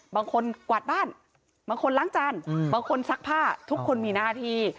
กวาดบ้านบางคนล้างจานบางคนซักผ้าทุกคนมีหน้าที่